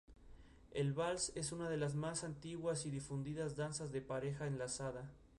El vals es una de las más antiguas y difundidas danzas de pareja enlazada.